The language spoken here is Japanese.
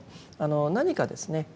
何かですね